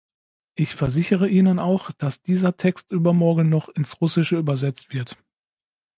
Ich versichere Ihnen auch, dass dieser Text übermorgen noch ins Russische übersetzt wird.